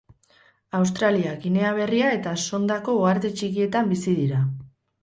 Australia, Ginea Berria eta Sondako Uharte Txikietan bizi dira.